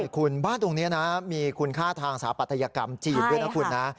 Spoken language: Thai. คุณบ้านตรงนี้นะมีคุณค่าทางสถาปัตยกรรมจีนด้วยนะคุณนะ